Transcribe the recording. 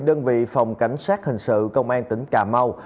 đơn vị phòng cảnh sát hình sự công an tỉnh cà mau